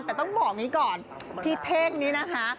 แต่ต้องบอกอย่างนี้ก่อนพี่เท่งนี้นะคะ